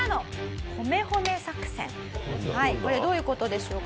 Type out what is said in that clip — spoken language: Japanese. これどういう事でしょうか？